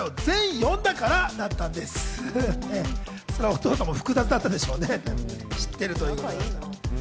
お父さんも複雑だったでしょうね、知ってるということで。